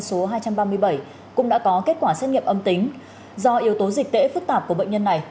số hai trăm ba mươi bảy cũng đã có kết quả xét nghiệm âm tính do yếu tố dịch tễ phức tạp của bệnh nhân này